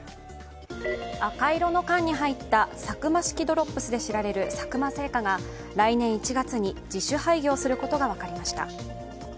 赤色の缶に入ったサクマ式ドロップスで知られる佐久間製菓が来年１月に自主廃業することが分かりました。